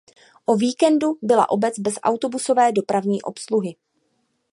O víkendu byla obec bez autobusové dopravní obsluhy.